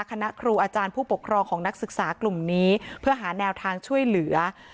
คณะครูอาจารย์ผู้ปกครองของนักศึกษากลุ่มนี้เพื่อหาแนวทางช่วยเหลือ